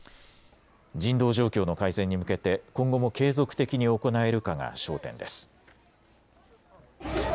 人道状況の改善に向けて今後も継続的に行えるかが焦点です。